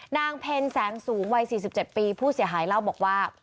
นางเพ็ญแสงสูงวัยสี่สิบเจ็ดปีผู้เสียหายเล่าบอกว่า